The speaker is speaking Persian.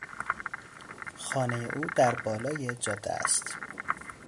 خانهی او در بالای جاده است.